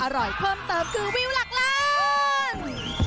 อร่อยเพิ่มเติมคือวิวหลักล้าน